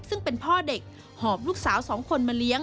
ซึ่งเป็นพ่อเด็กหอบลูกสาวสองคนมาเลี้ยง